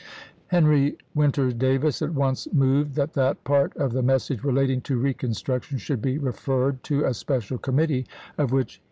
Henry Winter Davis at once moved that that part of the message relating to reconstruction should be re ferred to a special committee, of which he was HENRY WINTER DAVIS.